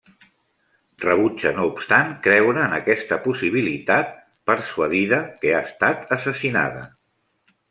Rebutja no obstant creure en aquesta possibilitat, persuadida que ha estat assassinada.